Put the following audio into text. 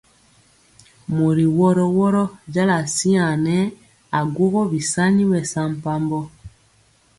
Mɔri wɔro wɔro jala siaŋg nɛ aguógó bisaŋi bɛsampabɔ.